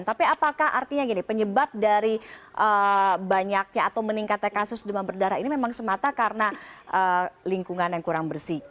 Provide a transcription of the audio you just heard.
tapi apakah artinya gini penyebab dari banyaknya atau meningkatnya kasus demam berdarah ini memang semata karena lingkungan yang kurang bersih